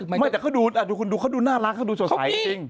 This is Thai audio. ให้ดูคุณดูเขาดูน่ารักก็ดูสนใจจริง